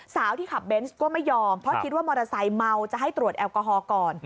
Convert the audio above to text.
สาวที่ขับเบนส์ก็ไม่ยอมเพราะคิดว่ามอเตอร์ไซค์เมาจะให้ตรวจแอลกอฮอล์ก่อน